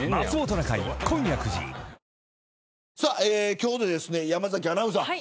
今日で山崎アナウンサー